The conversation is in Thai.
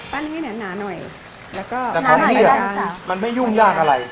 ปั้นนี้เนี่ยหนาหน่อยแล้วก็หนาหน่อยอีกหนึ่งสามมันไม่ยุ่งยากอะไร